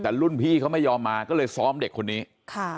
แต่รุ่นพี่เขาไม่ยอมมาก็เลยซ้อมเด็กคนนี้ค่ะ